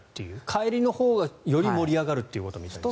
帰りのほうがより盛り上がるみたいですが。